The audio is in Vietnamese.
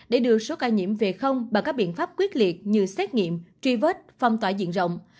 để đưa số ca nhiễm về không bằng các biện pháp quyết liệt như xét nghiệm truy vết phong tỏa diện rộng